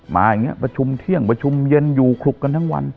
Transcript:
มาอย่างนี้ประชุมเที่ยงประชุมเย็นอยู่คลุกกันทั้งวัน